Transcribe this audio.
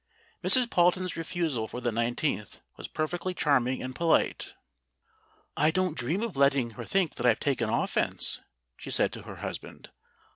Mrs. Palton's refusal for the iQth was perfectly charming and polite. "I don't dream of letting her think that I've taken offense," she said to her husband.